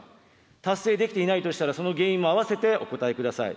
達成できていないとしたら、その原因も併せてお答えください。